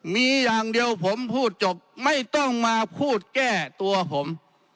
มีอย่างเดียวผมพูดจบไม่ต้องมาพูดแก้ตัวผม